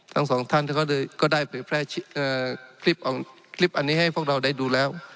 ทั้งสองท่านก็ได้เผยแพร่คลิปอันนี้ให้พวกเราได้ดูแล้ว